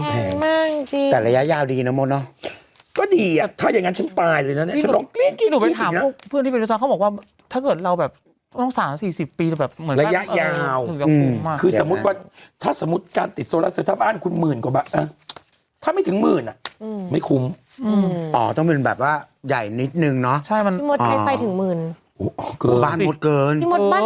ใหญ่นิดนึงเนอะพี่มดใช้ไฟถึงหมื่นพี่มดบ้านทำอะไรอะบ้านมดทำอะไรเนี่ย